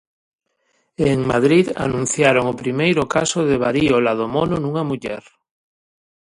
E en Madrid anunciaron o primeiro caso de varíola do mono nunha muller.